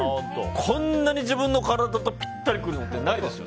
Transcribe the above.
こんなに自分の体とぴったりくるなんてないですよ。